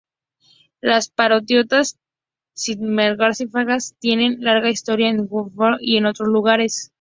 Las parodias cinematográficas tienen una larga historia en Hollywood y en otros lugares.